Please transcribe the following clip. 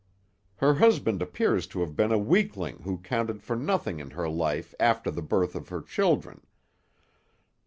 Her husband appears to have been a weakling who counted for nothing in her life after the birth of her children.